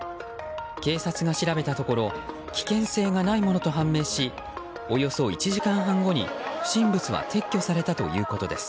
警察が調べたところ危険性がないものと判明しおよそ１時間半後に、不審物は撤去されたということです。